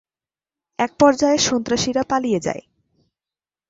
একপর্যায়ে সন্ত্রাসীরা পালিয়ে যায়।